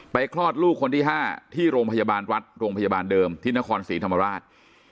คลอดลูกคนที่๕ที่โรงพยาบาลรัฐโรงพยาบาลเดิมที่นครศรีธรรมราช